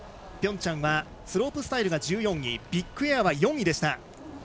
ピョンチャンはスロープスタイルが１４位ビッグエアは４位でした。